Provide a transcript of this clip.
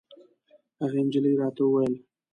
هغې نجلۍ راته ویل.